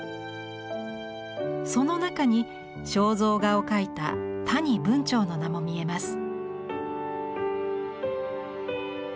その中に肖像画を描いた谷文晁の名も見えます。